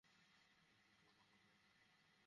আরে ওর স্বামী ওকে মারুক, পেটাক, তাতে তোর কী?